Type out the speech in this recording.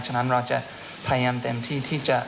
ฉะนั้นเราจะพยายามเต็มที่ที่จะ